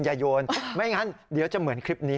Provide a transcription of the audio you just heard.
โยนไม่งั้นเดี๋ยวจะเหมือนคลิปนี้